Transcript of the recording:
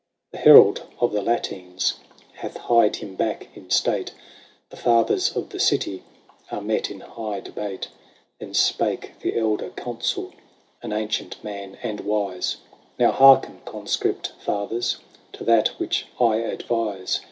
VIII. The Herald of the Latines Hath hied him back in state : The Fathers of the City Are met in high debate. Then spake the elder Consul, An ancient man and wise :" Now hearken. Conscript Fathers, To that which I advise.